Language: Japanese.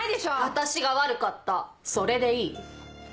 私が悪かったそれでいい？